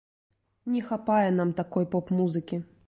Не хапае нам такой поп-музыкі.